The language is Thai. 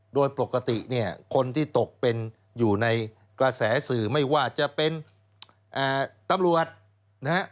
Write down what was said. โดยปกติเนี่ยคนที่ตกเป็นอยู่ในกระแสสื่อไม่ว่าจะเป็นตำรวจนะฮะ